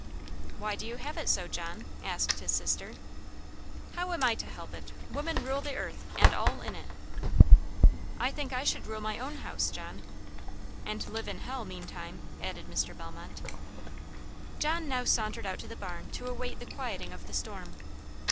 "Why do you have it so, John?" asked his sister. "How am I to help it? Women rule the earth, and all in it." "I think I should rule my own house, John," "And live in hell meantime," added Mr. Bellmont. John now sauntered out to the barn to await the quieting of the storm.